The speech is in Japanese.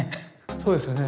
そうですよね。